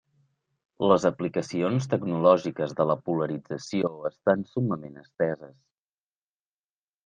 Les aplicacions tecnològiques de la polarització estan summament esteses.